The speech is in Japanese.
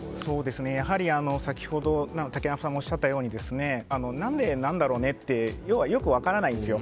やはり先ほど竹山さんもおっしゃったように何でなんだろうねって要はよく分からないんですよ。